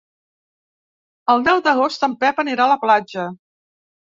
El deu d'agost en Pep anirà a la platja.